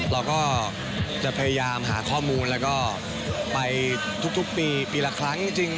เราก็จะพยายามหาข้อมูลแล้วก็ไปทุกปีปีละครั้งจริง